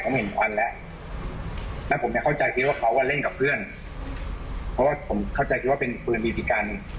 ผมเข้าใจคิดว่าเขาก้เล่นกับเพื่อนเพราะว่าผมเข้าใจเขาคิดว่าเป็นปืนบิตกัน